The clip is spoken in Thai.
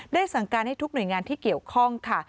สั่งการให้ทุกหน่วยงานที่เกี่ยวข้องค่ะ